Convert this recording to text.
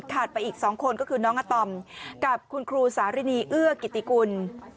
ไปอีก๒คนก็คือน้องอาตอมกับคุณครูสารินีเอื้อกิติกุล